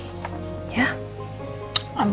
kamu perempuan yang sangat kuat jessi